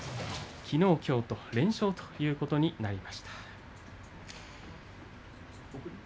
きのうきょうと連勝ということになりました。